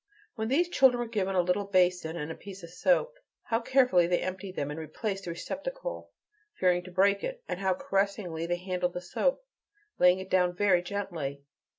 When these children were given a little basin and a piece of soap, how carefully they emptied and replaced the receptacle, fearing to break it, and how caressingly they handled the soap, laying it down very gently!